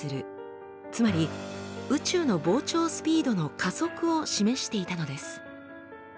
つまり宇宙の膨張スピードの加速を示していたのです。